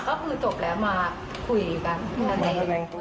ก็คือจบแล้วมาคุยกัน